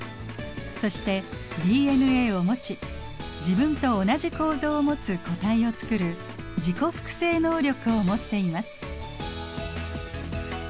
そしてＤＮＡを持ち自分と同じ構造を持つ個体をつくる自己複製能力を持っています。